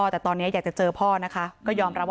แต่ตอนนี้อยากจะเจอพ่อนะคะ